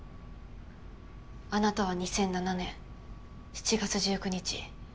あなたは２００７年７月１９日。